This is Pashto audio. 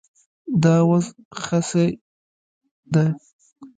دا وز خسي دی